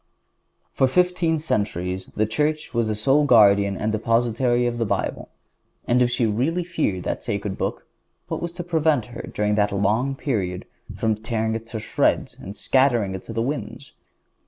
For fifteen centuries the Church was the sole guardian and depository of the Bible, and if she really feared that sacred Book, who was to prevent her, during that long period, from tearing it in shreds and scattering it to the winds?